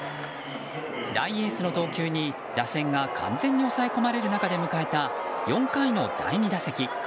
大エースの投球に打線が完全に抑え込まれる中で迎えた４回の第２打席。